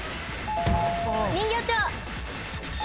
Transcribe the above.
人形町。